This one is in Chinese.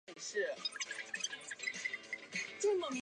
九二共识是与台湾海峡两岸关系有关的政治术语。